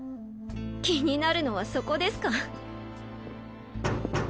気になるのはそこですか？